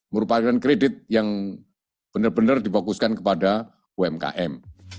merupakan kredit yang benar benar difokuskan kepada umkm